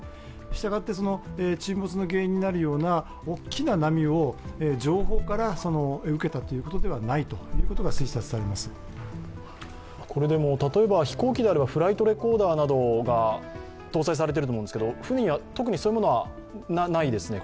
したがって、沈没の原因になるような大きな波を上方から受けたということではないということが例えば飛行機であればフライトレコーダーなどが搭載されていると思うんですが、船には特にそういうものはないですね？